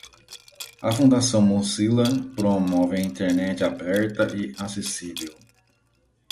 A Fundação Mozilla promove a internet aberta e acessível.